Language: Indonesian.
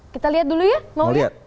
kita lihat dulu ya